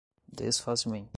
desfazimento